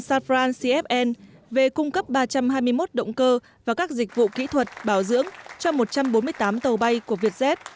safran cfn về cung cấp ba trăm hai mươi một động cơ và các dịch vụ kỹ thuật bảo dưỡng cho một trăm bốn mươi tám tàu bay của vietjet